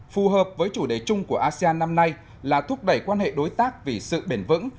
phù hợp với chủ đề chung của asean năm nay là thúc đẩy quan hệ đối tác vì sự bền vững